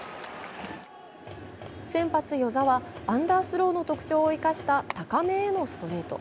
先発・與座はアンダースローの特徴を生かした高めへのストレート。